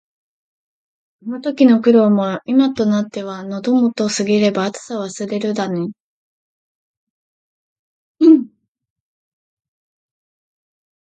あの時の苦労も、今となっては「喉元過ぎれば熱さを忘れる」だね。